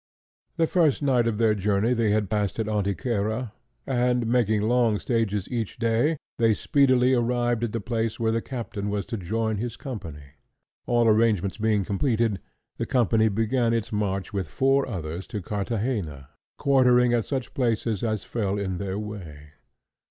The first night of their journey they had passed at Antequera, and making long stages each day, they speedily arrived at the place where the captain was to join his company. All arrangements being completed, the company began its march with four others to Carthagena, quartering at such places as fell in their way.